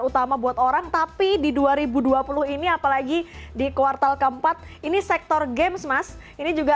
utama buat orang tapi di dua ribu dua puluh ini apalagi di kuartal keempat ini sektor games mas ini juga